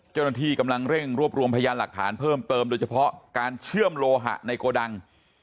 เจ้าหน้าที่กำลังเร่งรวบรวมพยานหลักฐานเพิ่มเติมโดยเฉพาะการเชื่อมโลหะในโกดัง